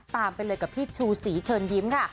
ไปเลยกับพี่ชูศรีเชิญยิ้มค่ะ